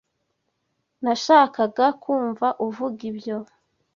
Nashakaga kumva uvuga ibyo.